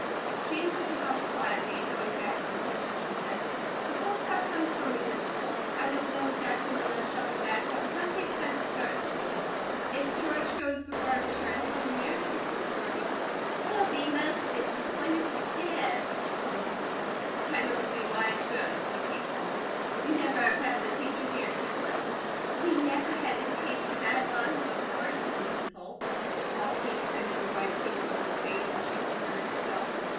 She entered the house quietly and going back to the kitchen she said: "The folks have come for me, Mrs. Holt. I don't know exactly when I shall be back, but in plenty of time to start school. If George goes before I return, tell him 'Merry Christmas,' for me." "He'll be most disappointed to death," said Mrs. Holt. "I don't see why he should," said Kate, calmly. "You never have had the teacher here at Christmas." "We never had a teacher that I wanted before," said Mrs. Holt; while Kate turned to avoid seeing the woman's face as she perjured herself.